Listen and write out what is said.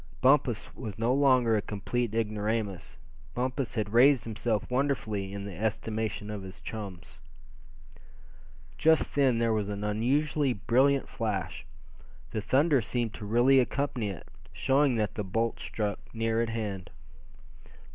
Bumpus was no longer a complete ignoramus; Bumpus had raised himself wonderfully in the estimation of his chums. Just then there was an unusually brilliant flash. The thunder seemed to really accompany it, showing that the bolt struck near at hand.